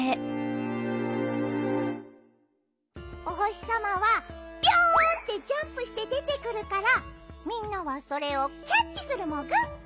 おほしさまはビョンってジャンプしてでてくるからみんなはそれをキャッチするモグ。